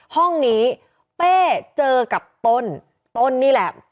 ห้องนี้เป้เจอกับต้นต้นนี่แหละ